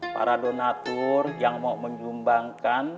para donatur yang mau menyumbangkan